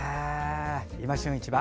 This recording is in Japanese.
「いま旬市場」